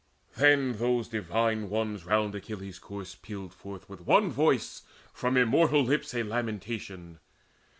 Then those Divine Ones round Achilles' corse Pealed forth with one voice from immortal lips A lamentation.